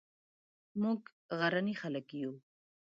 موږ غرني خلک یو